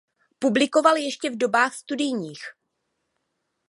Publikoval ještě v dobách studijních.